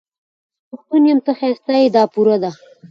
زه پښتون يم، ته ښايسته يې، دا پوره ده